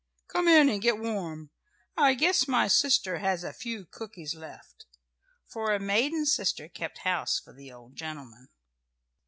"Come in and get warm. I guess my sister has a few cookies left," for a maiden sister kept house for the old gentleman.